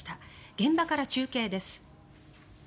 現場から中継です。